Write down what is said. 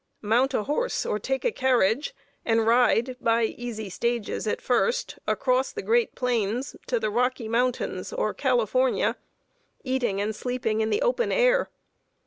Mount a horse or take a carriage, and ride, by easy stages at first, across the great plains to the Rocky Mountains or California, eating and sleeping in the open air.